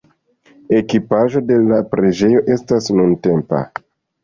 Ekipaĵo de la preĝejo estas nuntempa.